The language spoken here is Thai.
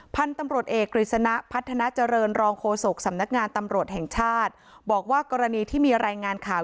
พันธุ์ตำรวจเอกกฤษณะพัฒนาเจริญรองโฆษกสำนักงานตำรวจแห่งชาติบอกว่ากรณีที่มีรายงานข่าว